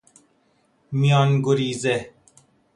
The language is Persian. میانگریزه